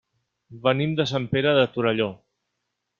Venim de Sant Pere de Torelló.